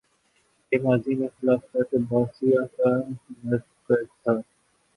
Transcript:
یہ ماضی میں خلافت عباسیہ کا مرکز تھا